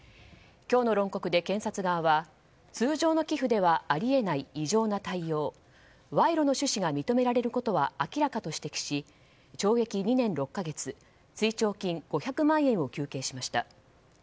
今日の論告で検察側は通常の寄付ではあり得ない異常な態様賄賂の趣旨が認められることは明らかと指摘し懲役２年６か月追徴金５００万円を求刑しました。